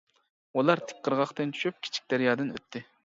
ئۇلار تىك قىرغاقتىن چۈشۈپ كىچىك دەريادىن ئۆتتى.